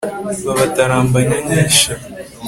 babatarambanya nk'isha